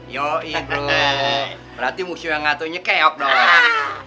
yoi bro berarti musuh yang ngatoknya keok doang